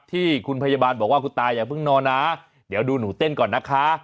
ที่คุณพยาบาลบอกว่าคุณตาอย่าเพิ่งนอนนะเดี๋ยวดูหนูเต้นก่อนนะคะ